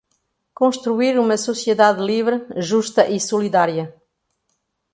construir uma sociedade livre, justa e solidária;